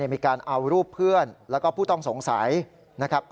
มีการเอารูปเพื่อนแล้วก็ผู้ต้องสงสัยนะครับ